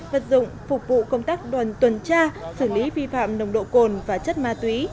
vật dụng phục vụ công tác đoàn tuần tra xử lý vi phạm nồng độ cồn và chất ma túy